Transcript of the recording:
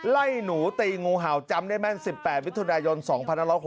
ไล่หนูตีงูเห่าจำได้แม่น๑๘มิถุนายน๒๑๖๖